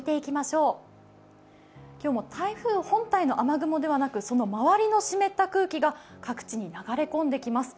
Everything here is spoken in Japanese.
今日も台風本体の雨雲ではなくその周りの湿った空気が各地に流れ込んできます。